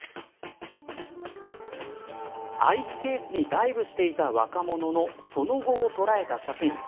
アイスケースにダイブしていた若者のその後を捉えた写真。